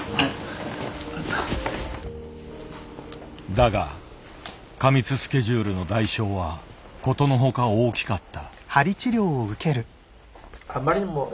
だが過密スケジュールの代償はことのほか大きかった。